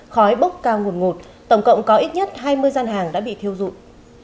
khói bốc cao nguồn ngột tổng cộng có ít nhất hai mươi gian hàng đã bị thiêu dụng